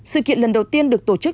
sự kiện lần đầu tiên được tổ chức